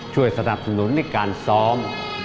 ช่วยสนับสนุนในการซ้อม